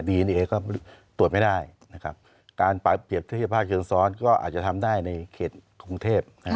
เอก็ตรวจไม่ได้นะครับการเปรียบเทียบภาพเชิงซ้อนก็อาจจะทำได้ในเขตกรุงเทพ